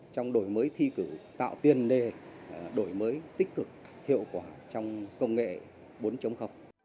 trong đổi mới thi cử tạo tiền đề đổi mới tích cực hiệu quả trong công nghệ bốn